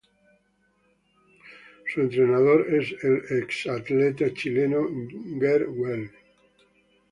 Su entrenador es el exatleta chileno Gert Weil.